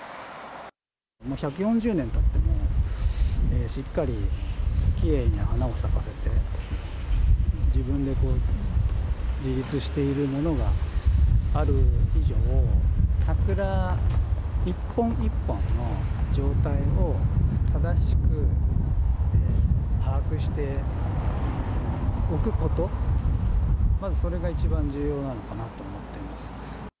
１４０年たっても、しっかりきれいに花を咲かせて、自分で自立しているものがある以上、桜一本一本の状態を、正しく把握しておくこと、まずそれが一番重要なのかなと思ってます。